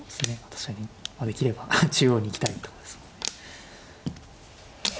確かにできれば中央に行きたいところですもんね。